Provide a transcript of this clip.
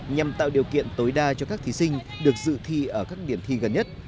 nhằm tạo điều kiện tối đa cho các thí sinh được dự thi ở các điểm thi gần nhất